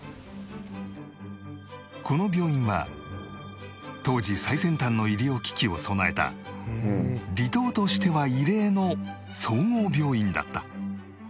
この病院は当時最先端の医療機器を備えた離島としては異例の総合病院だった